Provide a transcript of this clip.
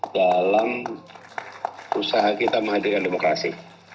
dalam usaha kita menghadirkan demokrasi